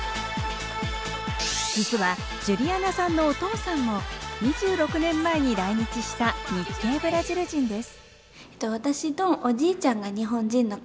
実はジュリアナさんのお父さんも２６年前に来日した日系ブラジル人です。